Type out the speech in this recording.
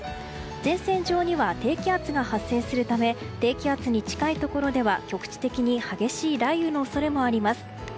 前線上には低気圧が発生するため低気圧に近いところでは局地的に激しい雷雨の恐れもあります。